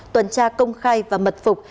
tuần tra công khai và mật phục